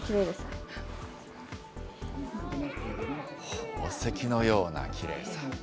宝石のようなきれいさ。